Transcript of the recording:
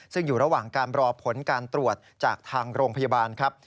ซึ่งอยู่ระหว่างการรอผลการตรวจจากทางโรงพยาบาลครับ